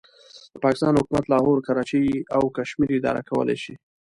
د پاکستان حکومت لاهور، کراچۍ او کشمیر اداره کولای شي.